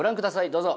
どうぞ。